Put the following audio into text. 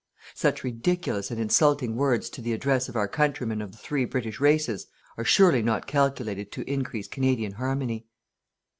"Such ridiculous and insulting words to the address of our countrymen of the three British races are surely not calculated to increase Canadian harmony."